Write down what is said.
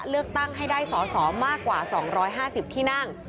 เลือกตั้งให้ได้สอสอมากกว่า๒๕๐ที่นั่ง